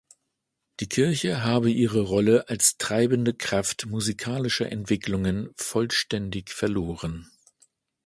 Die Kirche habe ihre Rolle als treibende Kraft musikalischer Entwicklungen vollständig verloren.